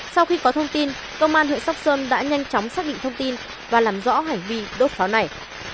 sau khi có thông tin công an huyện sóc sơn đã nhanh chóng xác định thông tin và làm rõ hành vi đốt pháo này